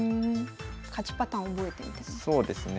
勝ちパターン覚えてるんですね。